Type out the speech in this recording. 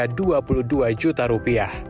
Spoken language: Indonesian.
rp dua puluh dua juta rupiah